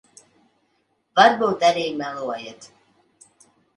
Varbūt arī melojat.